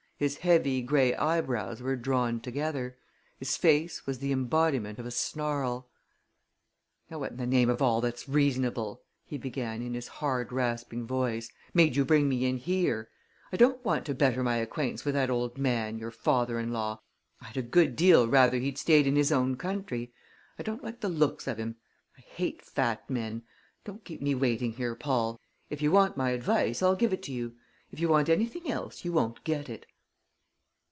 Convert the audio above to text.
His heavy gray eyebrows were drawn together; his face was the embodiment of a snarl. "Now what in the name of all that's reasonable," he began in his hard, rasping voice, "made you bring me in here? I don't want to better my acquaintance with that old man, your father in law! I'd a good deal rather he'd stayed in his own country. I don't like the looks of him I hate fat men! Don't keep me waiting here, Paul. If you want my advice I'll give it to you. If you want anything else you won't get it."